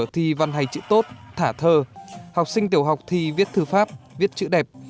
thì văn hành chữ tốt thả thơ học sinh tiểu học thì viết thử pháp viết chữ đẹp